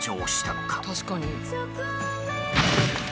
確かに。